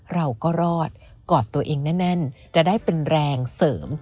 เราก็รอดกอดตัวเองแน่นจะได้เป็นแรงเสริม